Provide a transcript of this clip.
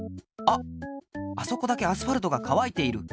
あそこだけアスファルトがかわいている。